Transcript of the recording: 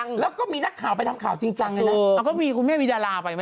นักมันต้องอยู่ใบไหม